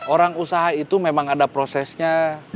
orang usaha itu memang ada prosesnya